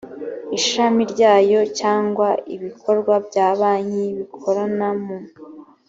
ishami ryayo cyangwa ibikorwa bya banki bikorana mu